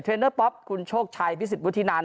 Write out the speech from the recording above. เทรนเดอร์ป๊อปคุณโชคชัยพิศิษฐ์บุฒินันทร์